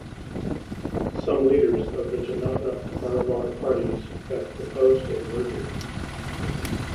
Some leaders of Janata Parivar parties have proposed a merger.